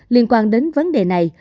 liên quan đến vấn đề này